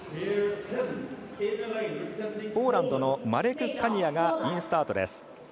ポーランドのマレク・カニアがインスタートです。